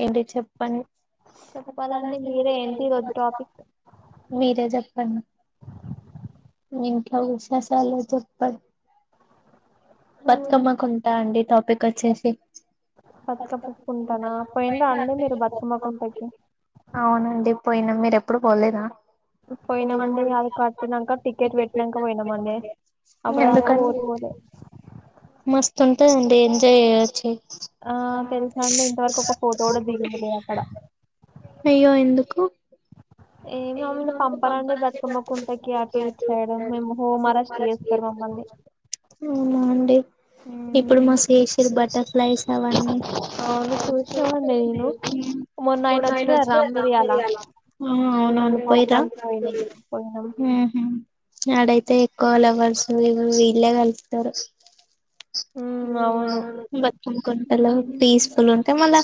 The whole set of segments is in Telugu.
ఏంటి చెప్పండి చెప్పాలండి మీరే ఏంటి ఈ రోజు టాపిక్ మీరే చెప్పండి ఇంకా విశేషాలు చూపండి బతుకమ్మకుంటా అండి టాపిక్ వచ్చేసి బతుకమ్మప్పుకుంటానా పోయిర అండి మీరు బతుకమ్మ కుంటకి అవునండి పోయినా మీరు ఎప్పుడు పోలేదా పోయినామండి అది కట్టినాక టికెట్ పెట్టినాక పోయినామండి అప్పుడాకా ఎందుకండి పోదు పోలే మస్తు ఉంటాడండి ఎంజాయ్ చేయచు [inaudible] ఆ తెలుసా అండి ఇంతవరకు ఒక ఫోటో కూడా దిగింది లేదు అక్కడ అయ్యో ఎందుకు ఏ మమ్మల్ని పంపరాండి బతుకమ్మకుంటకి అ టూ ఇట్ సైడం మేము హోమారస్టీ చేస్తారు మా మంది అవునా అండి ఇప్పుడు మాస్ చేసిరూ బటర్ఫ్లైస్ అవన్నీ అవును చూసినామండి నేను మొన్న ఆయన వచ్చిండు కదా మన్నాయినచ్చ రామ్ మిరియాల మిరియాలా మేము అవునను పోయిరా ప్రోగ్రామ్ కి పోయినాం పోయినాం అడైతే ఎక్కువ లా లవర్స్ వీళ్ళే కలిస్తారు మ్మ్ అవును ఉమ్ బతుకమ్మ కుంట లో పీస్ఫుల్ ఉంటా మల్ల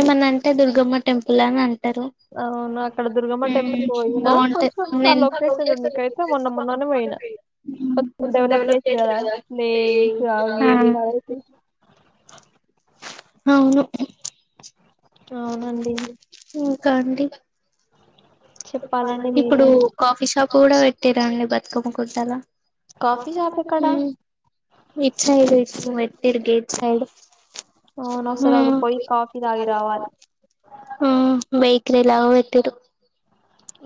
ఏమన్నా అంటే దుర్గమ్మ టెంపుల్ అని అంటారు అవును. అక్కడ దుర్గమ్మ టెంపుల్‌కి పోయినా, బాగుంటాయి కొంచెం ఎ ఆ లొకేషన్ చూడు నీకైతే మొన్న బాగా మొన్ననే పోయినా. కొంచం డెవలప్ చేసిర్రు చేసిరి కదా [inaudible] ప్లేయింగ్స్ ఆ గేమ్స్ ఆడేసి. అవును అవునండి. ఇంకా అండి చెప్పాలండి ఇప్పుడు మీరే. కాఫీ షాప్ కూడా పెట్టారండి బతుకమ్మ కొత్తల కాఫీ షాప్ ఎక్కడ? ఇటు సైడు ఇ పెట్టారు గేట్ సైడ్ అవును. ఒకసారి అక్కడ ఉమ్ పోయి కాఫీ తాగి రావాలి. ఉమ్ బీ ఇలాభ ఎతేరు [inaudible]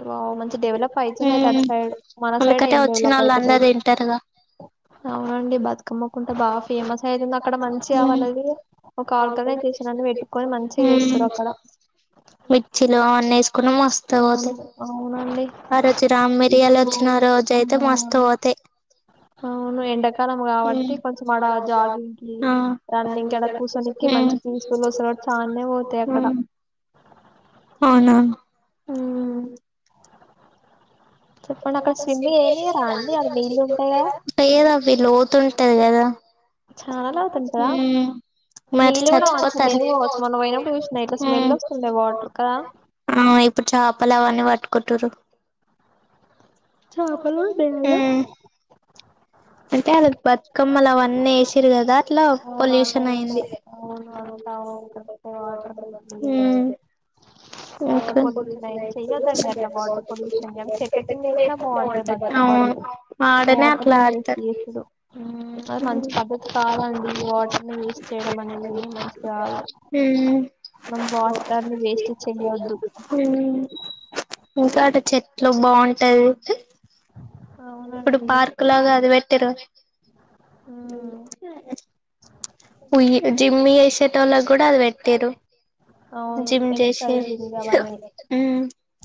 వావ్! మంచి డెవలప్ అయితుందయితే అటు సైడ్. మన సైడ్ వాళకటే ఏం వచ్చిన డెవలప్ వాళ్ళు అయితలేదు. అందరు తింటారుగా అవునండి. బతుకమ్మ కుంట బాగా ఫేమస్ అయితుంది. అక్కడ మంచిగా ఉమ్ వాళ్ళది ఒక ఆర్గనైజేషన్ అని పెట్టుకొని మంచిగా చేస్తుర్రు అక్కడ. మిర్చిలు అ ఎకున వస్త పోతే అవును. అవునండి. ఆ రోజు రామ్ మిరియాలో ఇప్పుడు వచ్చిన రోజు అయితే మస్తు ఆ! పోతా అవును ఎంకాలం కాబట్టి కొంచం జాగింగ్ కి ఆ రన్నింగ్ ఎడ కూర్చొనికి ఉమ్ మంచి పీస్ స చాలానే పోతాయి అక్కడ ఉమ్ అవునా హ్మ్. చెప్పండి అక్కడ ఆట స్విమ్ ఏనియరా అండి అడ నీళ్ళు ఉంటాయి కదా వెయ్యరు అవి లోతు త్త కదా చాలా లోతుంటదా ఉమ్ మరి నీళ్ళు కూడా మంచిగా చచ్చిపోతారూ లేవు కావచ్చు మొన్న పోయినప్పుడు చూసిన ఇట్లా స్మెల్ ఉమ్ వస్తుండే వాటర్ కదా ఆ ఇప్పుడు చేపలు అవన్నీ పట్టుకుంటరు చాపలు ఉమ్ ఉండయా అంటే అది బతుకమ్మలు అవన్నీ వేసిరు కదా అట్లా పొల్యూషన్ అయింది వు అంటా వాటర్ [inaudible] ఉమ్ వాటర్ పొల్యూషన్ అ చెయ్యొదండి అయితుంది అట్లా వాటర్ పొల్యూషన్ కానీ అని చెట్ల కింద వేసినా బాగుంటాయి బ ఆడనే అట్లా వాటర్ని ఆడతారు వేస్ట్ చేస్తరూ అది మంచి పద్ధతి కాదండి వాటర్ వేస్ట్ చేయడం అనేది మంచిది కాదు మనం వాటర్ [inaudible] ఇంకా అట చెట్లు బాగుంటాది అయితే ఇప్పుడు అవునండి పార్కు లాగా అది పెట్టిరూ ఉమ్ ఉయ్ జిమ్ చేేసేటోళ్ళకి కూడా అది పెట్టిరు అవును జిమ్ జేసే ఎక్సైజింగ్ అవన్నీ ఊ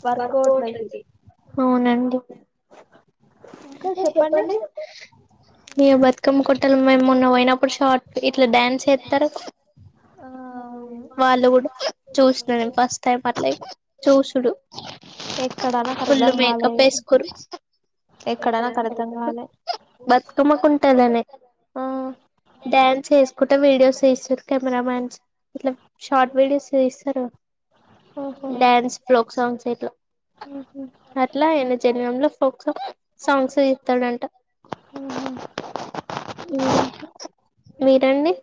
వర్కౌట్లకి అవునండి ఇంకా చెప్పండి ఈమ బతుకమ కొట్టల మేం మున్న ఒయినం అప్పుడు షార్ట్ ఇట్లా డ్యాన్స్ చేస్తారు వాళ్ళు కూడా చూసిన నేన్ ఫస్ట్ టైం అట్ల చూసుడు ఎక్కడా నాకు ఫుల్ అర్థం మేకప్ కాలేదు ఏసుకురు ఎక్కడా ఎక్కడన నాకు అర్థం కాలే [unintelligible] బతుకమ్మకుంటలనే ఆ డ్యాన్స్ వేసుకుంట వీడియోస్ తీసురు కెమెరా మ్యాన్స్ ఇట్ల షార్ట్ వీడియోస్ తీసురు ఓహో డ్యాన్స్ ఫోక్ సాంగ్స్లా ఇట్లా ఉహు అట్ల అయినా చెప్ అయిన కూడ ఫోక్సు సాంగ్స్ ఏ చేతడంట ఉహు ఉహు మీరండి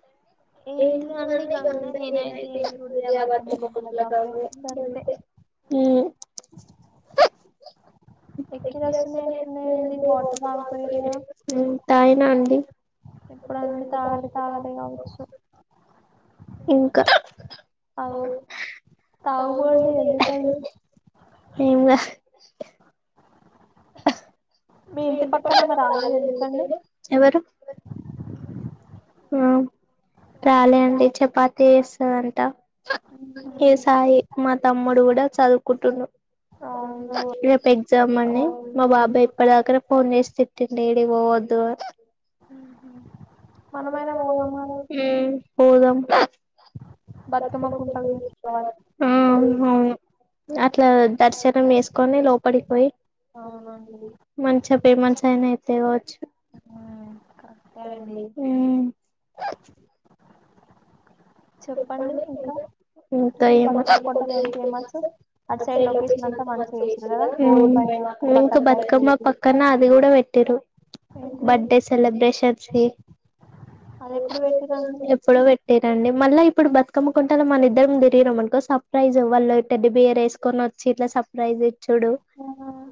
ఏంటిదండి ఏంటి గంతే అన్ని నేనైతే ఏం చూడలే బతుకమ్మ కుంట్ల గవ్వే గంతే [unintelligible] ఊ ఎక్కిలు వెక్కిలు వస్తున్నాయి వస్తున్నాయేమో వస్తున్నాయండి అండి వాటర్ తాగక తాగిపోయారు పోయిండ్రు మీరు ఆ తాగిన అండీ ఇప్పుడు అండి తాగాలి తాగాలి కావచ్చు ఇంకా తాగు అవు తాగక తాగుబోండి పోయిండ్రు ఎందుకండి ఇంకొన్ని ఉహ్హ్ మీ ఇంటి పక్కనామె రాలేదు ఎందుకండి ఎవరు ఆ రాలే అండి చపాతి చేస్తదంట ఇంకె సాయి మా తమ్ముడు కూడా చదువుకుంటుండు అవును రేపు ఎగ్జామ్ అండి మా బాబాయ్ ఇప్పడి దాక ఫోన్ చేసీ తి టిండిఏడికి పోవద్దు ఆహా ఊ పోదాం బతుకమ్మకు కుంటలు చూసుకోవాలి ఆ పోయి అవును అట్లా దర్శనం చేస్ కొని లోపడికి పోయి అవునండి మంచిగ పేమెంట్స్ అయినా అయితయ్ కావచ్చు ఆ కరెక్ట్ ఏ అండి చెప్పండి ఇంకా ఇంకా ఏ బతుకమ్మ మసు కొంటలు కొంటె ఏం ఫేమస్ ఫెమసు అటు అ సైడ్ లొకేషన్ అంతా మంచిగా వేసిరు చేసిరు కదా రోడ్డు పైన అక్కడ ఇంకా బటర్ఫ్లైస్ బతుకమ్మ పెట్టి పక్కన అది కూడా పెట్టిరు ఏంటి బర్డే సెలిబ్రషన్స్ వి అది ఎప్పుడు పెట్టిరండి ఎప్పుడో పెట్టిరండి మళ్ళీ ఇప్పుడు బతుకమ్మకుంటలు మన ఇద్దరం తిగిరం అనుకో సర్ప్రైజ్ వాళ్ళు ఇ టెడ్డియర్ వేసుకొని వచ్చి ఇట్లా. సర్ప్రైజ్ ఇచ్చుడు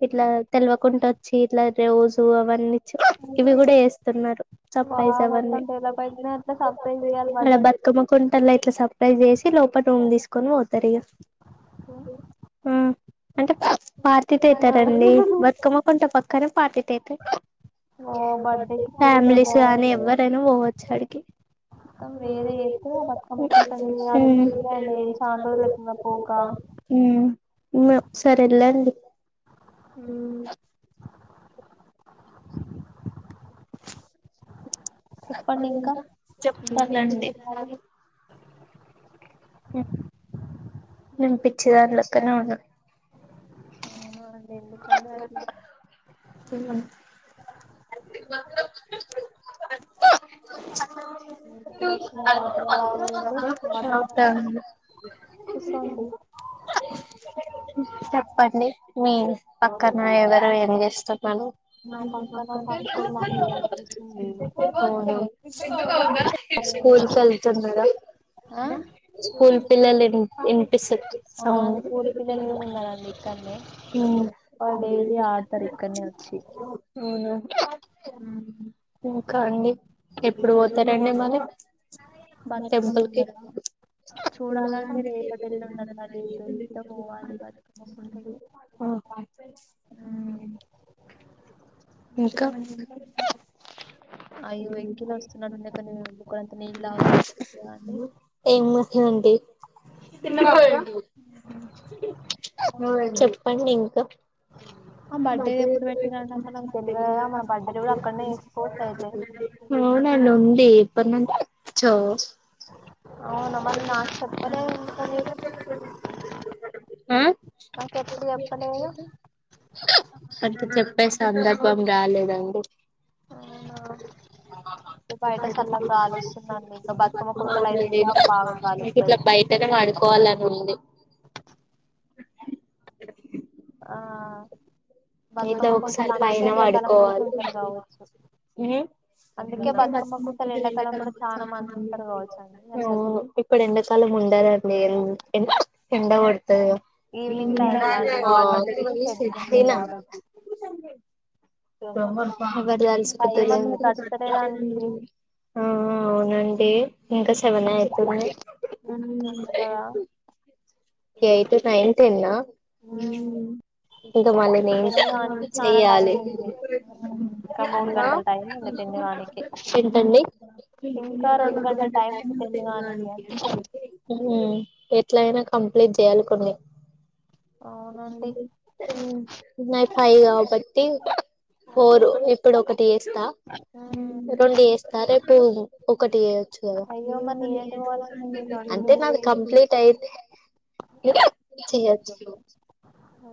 ఇట్లా తెల్వకుంట వచ్చి ఇట్లా రోజు అవన్నీ. ఇవి కూడా చేస్తున్నారు సర్ప్రైజ్ వావ్ మొత్తం అవని డెవలప్ అయితుంది అట్లా సర్ప్రైజ్ ఇయ్యాలి మన బర్త్డేలకి బతుకమ్మ కొంత లైట్లు సప్రైజ్ చేసి లోపల రూమ్ తీసుకొని పోతారు ఇగ ఆ ఇంకా పార్ట్ తితేతారండి బతుకమ్మ కొంత పక్కన పాటితేతే ఓ బర్త్డేకి స్పెషల్ గా ఫ్యామిలీస్ గానీ ఎవ్వరైనా పోవచ్చ అడికి. తం వేరే. ఒ బతుకమ్మ కుంటది అది చులే అండీ నేన్ చాన్ రోజులైతాంది పోకా. ఉ సరేలెండి. ఊ [inaudible] చెప్పండి ఇంకా చెప్పాలింకా ఇంకేంటి చెప్పాలండి విశేషాలు నేను పిచిదాన్ల అక్కనే ఉన్న ఆ ఢిల్లి కల్లు అట్లా. ఉన్నా [inaudible] వెళ్లచిన వాటర్ రావట్లేదండి, వాటర్ కుసొండి. చెప్పండి మీ పక్కన ఎవరు ఏం చేస్తున్నాను మా పక్కన పక్కుందండి ఇంటి ఆమె కూసుంది పక్కన [unintelligible] స్కూల్ కెళ్తున్నరా, ఆ స్కూల్ పిల్లలు ఇన్ వినిపిస్తు. ఆ స్కూల్ పిల్లలు ఉన్నరండీ. ఉమ్ ఆ డైలీ ఆడుతారు ఇక్కన్నేవచ్చి. అవునా ఇంకా అండి, ఎప్పుడు పోతరండి మరీ. బతుకమ్మ టెంపుల్ కి. కుంటక చూడాలంటే ఉన్నాగాని రేపు రేపటి ఎల్లుండి అట్లా లీవ్ దొరికితే పోవాలి బతుకమ్మ కుంటకి [unintelligible] ఒకే ఉమ్ ఇంకా? చెప్పండి అయ్యో ఎక్కిలు వస్తున్నట్లున్నాయి కొన్ని కొంత నీళ్ళు తాగుతే అయిపోతది కదా అండి. జెంటి చెప్పండి ఇంకా. ఆ బర్త్డే మడే ఎప్పుడు పెట్టిరండి అక్కడ నాకు తెలవదుగా మన బర్త్డే కూడా అక్కడనే చేసుకోవచ్చు అయితే అవును హెలొండి ఇబ్బంది ఉంటే ఉచ్చో. అవున మరి నాకు చెప్పలేదు ఎందుకండి మీరు? ఆ నాకు ఎప్పుడు చెప్పలేదు అంత చెప్పేసి. సందర్భం రాలేదండి. అవునా బయట చల్లగా గాలోస్తుందండి ఇంకా బతుకమ్మ పనులు కుంటలు అయితే ఉన్నాయి ఇంకా బాగా గాలోస్తది కాబట్టి టెనే వాడుకోవాలని ఉంది. ఆ ఈ ఇంత బతుకమ్మ ఒకసారి కుంటలు అందుకే పైన ఎండాకాలం పూట వడుకోవాలి. ఉంటరు కావచ్చు ఆ అందుకే బతుకమ్మ కుంటలు ఎండాకాలం పూట చానా మంది ఉంటరు కావచ్చండి అసలు ఇప్పుడ ఎండాకాలం. ఉండరండి ఎం ఎండ కొడతది కద. ఈవినింగ్ టైమ్స్ లో అండి వాటర్ కి చెట్లు ఉంటయి కాబట్టి చెప్పిన ఎవరు టైం తలుసుకుంటుర్రో అసలు గడుస్తలేదండి ఆఆ అవునండి. ఇంకా సెవెనే అయితుంది. కదా ఎయిత్, నైన్, టెన్నా? ఇంకా మళ్ళీ నేన్ టెన్ కానికి చానా టైం చెయ్యాలి. ఉంది న్యానికి. కానికి ఉమ్ ఎట్ల అయినా కంప్లీట్ జేయాలి కొన్ని. అవునండి నయ్ ఫై గాబట్టి ఫోరు ఇప్పుడు ఒకటి యేస్తా, రెండు ఏస్తా రేపు ఒకటి యేయచ్చు కదా, అయ్యో మరి నేనెటు పోవాలండి మీరు రెండు అంటే మూడు నాది చేస్తున్నారు కంప్లీట్ అయి చేయచ్చు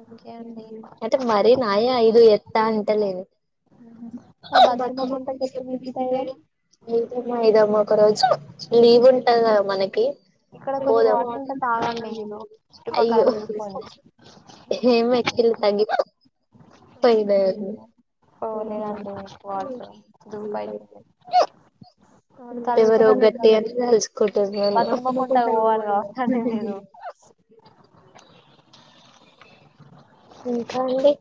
ఓకే అండి అంటె మరి నాయె ఐదు ఎత్త అంటలేేను మ్మ్. మరి బతుకమ్మ కుంటకి ఎప్పుడు విజిట్ అయ్యాం ఇదేమైదామ ఒక రోజు లీవ్ ఉంటంది కదా మనకి ఇక్కడ కొన్ని పోదం వాటర్ ఉంటే తాగండి మీరు చుట్టుపక్కల అయ్యో చూసుకొని ఏం ఎక్కిళ్ళు తగ్గి పోయినయో పోలే అండీ వాష్ రూమ్, దూపయితుంది [unintelligible] ఎవరు గట్టిగనే తల్స్కుంటుర్రూ బతుకమ్మ కుంటకి పోవాలి నన్ను కావచ్చండి మీరు [inaudible] ఇంకా అండి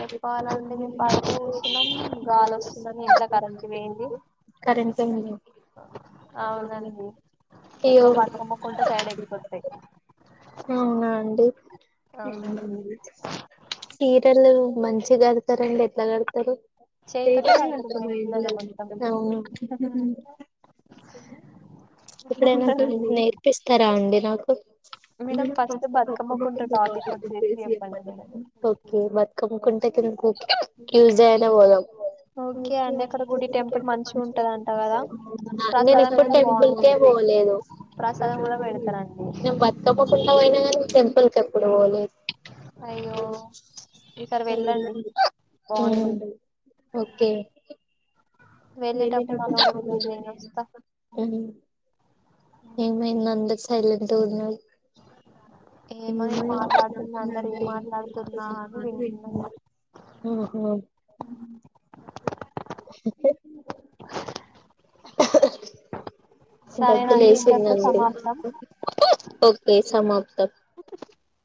చెప్పాలండి మేము బయట కూర్చున్నాం గాలి వస్తుందని ఇంట్లో కరెంట్ పోయింది [unintelligible] కరెంటు వుంది అవునండి అయ్యో ఎక్కువ బతుకమ్మకుంట సైడ్ ఐపోతయి అవునా అండి అవునండి టీప్ ళ్ళు మంచిగా కడతారండి ఎట్లా గడతారు చేయితోటే కడతారు మా ఇంట్లలో మొత్తం అవునండి [unintelligible] ఎప్పుడైనా నాకు నేర్పిస్తారా అండి నాకు madam first Bathukamma Kunta topic వచ్చేసి చెప్పండి మేడం ఓకే బతకమ్మకుంట కదండి ట్యూస్డే నే ఒదం ఓకే అండి అక్కడ గుడి టెంపుల్ మంచిగా ఉంటదంట కదా ప్రసాదం నేనెపుడు కూడా టెంపుల్ కె బాగుంటది ఒత వొలేదు ప్రసాదం కూడా పెడతారండి నేన్ వాట్కపో ఫుట పోయినా కాని టెంపుల్ కి ఎప్పుడు పోలేదు అయ్యో ఈసారి వెళ్ళండి బాగుంటది ఓకే వెళ్ళేటప్పుడు నన్ను కూడా పిలవండి నేను వస్తా ఉమ్ ఏమైంది అందరు సైలెంట్ ఉన్నరు ఏమో నేను మాట్లాడుతున్నా అందరు ఏం మాట్లాడుతున్నా అని వింటున్నారు [unintelligible] ఓహో సరేనండి ఇంతటితో దబ్బులేసిండండి సమాప్తం ఏసేమాతప్